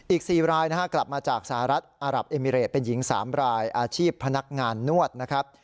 อีก๔รายกลับมาจากสหรัฐอารับเอมิเรตเป็นหญิง๓รายอาชีพพนักงานนวดนะครับ